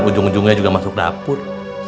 ujung ujungnya juga masuk dapur